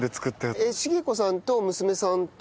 成子さんと娘さんとあと？